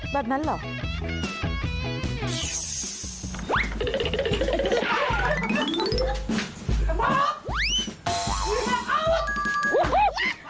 แบบนั้นเหรอ